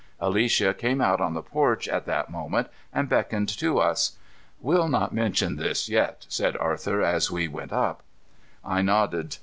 Alicia came out on the porch at that moment and beckoned to us. "We'll not mention this yet," said Arthur, as we went up. I nodded.